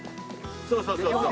そうそうそうそう。